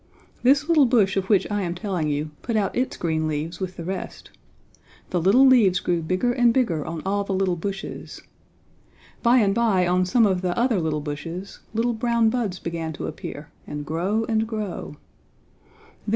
This little bush of which I am telling you put out its green leaves with the rest. The little leaves grew bigger and bigger on all the little bushes. By and by on some of the other little bushes, little brown buds began to appear and grow and grow.